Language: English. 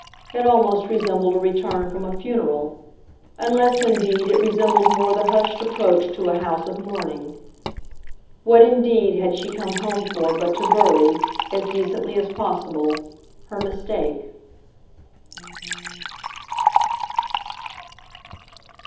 It almost resembled a return from a funeral unless indeed it resembled more the hushed approach to a house of mourning. What indeed had she come home for but to bury, as decently as possible, her mistake?